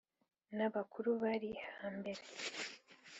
na bakuru bari hambere,